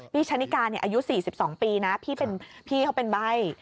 ชะนิกาอายุ๔๒ปีนะพี่เขาเป็นใบ้